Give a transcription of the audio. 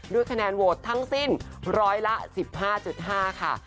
คะแนนโหวตทั้งสิ้นร้อยละ๑๕๕ค่ะ